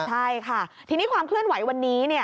ใช่ค่ะทีนี้ความเคลื่อนไหววันนี้เนี่ย